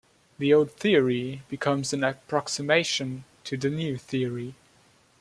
The old theory becomes an approximation to the new theory.